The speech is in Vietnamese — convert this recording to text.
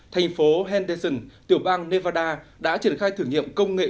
thành phố hoendeson tiểu bang nevada đã triển khai thử nghiệm công nghệ